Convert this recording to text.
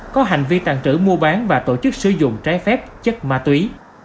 có hành vi tàn trữ mua bán và tổ chức sử dụng trái phép chất ma túy